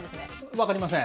分かりません。